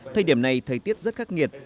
thời điểm này thời tiết rất khắc nghiệt